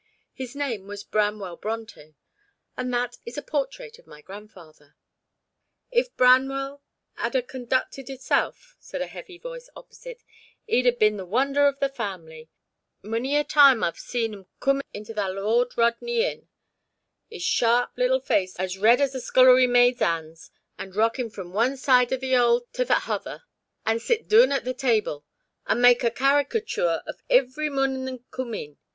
His name was Branwell Brontë, and that is a portrait of my grandfather." "If Branwell 'ad a conducted hisself," said a heavy voice opposite, "'ee'd a been the wonder of the family. Mony a time a 've seen 'im coom into tha Lord Rodney Inn, 'is sharp little face as red as tha scoollery maid's 'ands, and rockin' from one side of tha 'all to tha hother, and sit doon at tha table, and make a carica_chure_ of ivvery mon thot coom in.